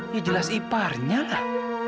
ya jelas iparnya lah